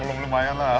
belum lumayan lah